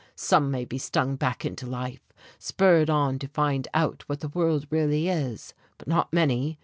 Some may be stung back into life, spurred on to find out what the world really is, but not many.